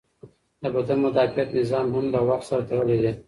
د بدن مدافعت نظام هم د وخت سره تړلی دی.